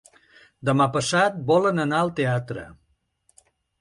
Demà passat volen anar al teatre.